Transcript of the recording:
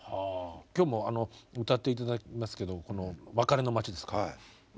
今日も歌っていただきますけどこの「別れの街」ですか。